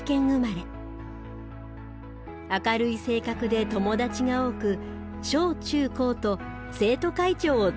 明るい性格で友達が多く小中高と生徒会長を務めました。